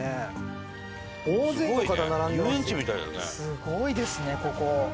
すごいですねここ。